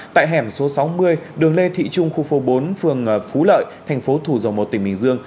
tại hẻm số sáu mươi đường lê thị trung khu phố bốn phường phú lợi thành phố thủ dầu một tỉnh bình dương